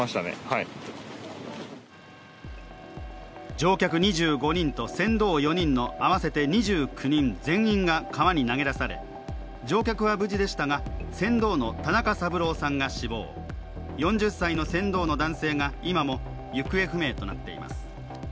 乗客２５人と船頭４人の合わせて２９人全員が川に投げたされ乗客は無事でしたが船頭の田中三郎さんが死亡４０歳の船頭の男性が今も行方不明となっています。